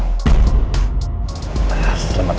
tidak perlu pak alex